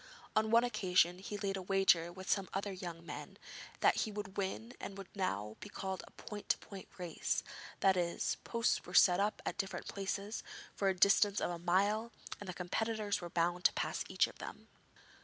On one occasion he laid a wager with some other young men that he would win what would now be called a point to point race that is, posts were set up at different places for the distance of a mile, and the competitors were bound to pass each of them.